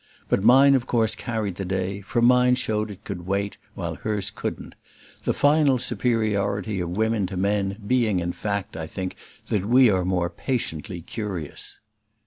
But mine of course carried the day, for mine showed it could wait, while hers couldn't; the final superiority of women to men being in fact, I think, that we are more PATIENTLY curious.